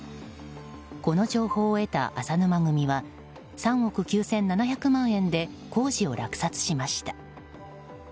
この情報を得た浅沼組は３億９７００万円で工事を落札しました。